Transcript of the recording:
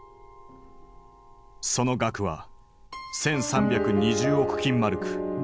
その額は１，３２０億金マルク。